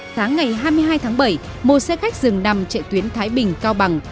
sáng ngày hai mươi hai tháng bảy một xe khách dừng nằm chạy tuyến thái bình cao bằng